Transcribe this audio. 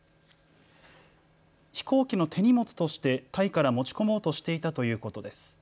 飛行機の手荷物としてタイから持ち込もうとしていたということです。